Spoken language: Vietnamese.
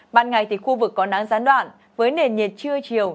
ban ngày thì khu vực có nắng gián đoạn với nền nhiệt trưa chiều